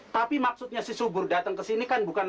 tapi maksudnya si subur datang ke sini kan bukan